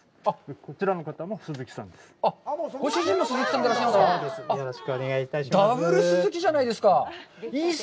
こちらの方も鈴木さんです。